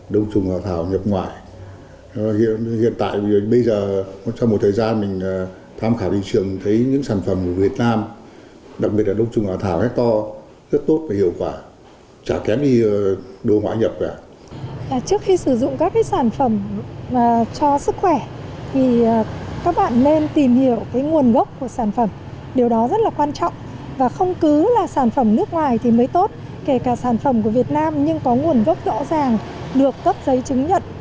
đông trùng hạ thảo là dược liệu quý trong việc hỗ trợ bảo vệ tăng cường sức khỏe